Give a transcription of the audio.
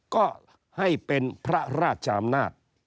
ก็ให้เป็นพระราชอำนาจ